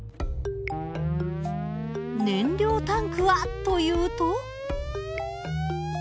燃料タンクはというと。